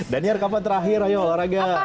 daniar kapan terakhir ayo olahraga